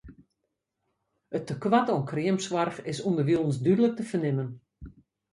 It tekoart oan kreamsoarch is ûnderwilens dúdlik te fernimmen.